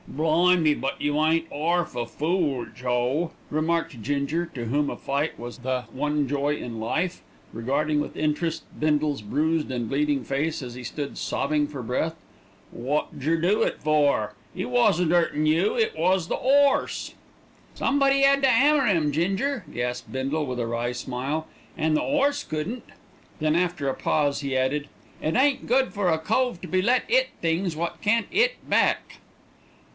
"Blimey, but you ain't 'arf a fool, Joe," remarked Ginger, to whom a fight was the one joy in life, regarding with interest Bindle's bruised and bleeding face as he stood sobbing for breath. "Wot jer do it for? 'E wasn't 'urtin' you; it was the 'orse." "Somebody 'ad to 'ammer 'im, Ginger," gasped Bindle with a wry smile, "an' the 'orse couldn't." Then after a pause he added, "It ain't good for a cove to be let 'it things wot can't 'it back."